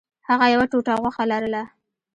هغه یوه ټوټه غوښه لرله.